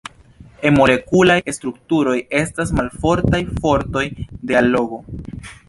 En molekulaj strukturoj estas malfortaj fortoj de allogo.